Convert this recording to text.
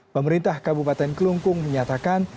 pemerintah kabupaten kelungkung menyatakan